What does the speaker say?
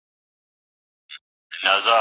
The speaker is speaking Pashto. چي ته مي غاړه پرې کوې زور پر چاړه تېرېږي